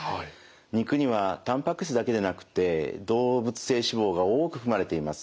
肉にはたんぱく質だけじゃなくて動物性脂肪が多く含まれています。